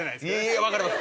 いや分かります。